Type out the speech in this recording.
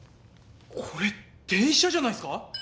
これ電車じゃないですか？